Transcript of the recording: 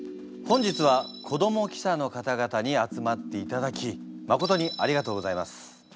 本日は子ども記者の方々に集まっていただきまことにありがとうございます。